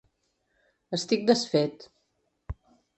Estic desfet.